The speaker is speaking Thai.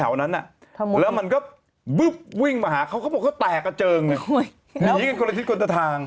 แถวนั้นน่ะแล้วมันก็วิ่งมาหาเขาเขาบอกว่าแตกกระเจิงหนีกันคนละทิศคนตะทาง